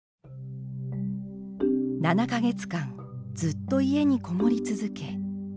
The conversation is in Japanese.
「７ヶ月間ずっと家にこもり続け」